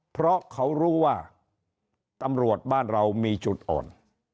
เพราะเขารู้ว่าตำรวจบ้านเรามีจุดอ่อน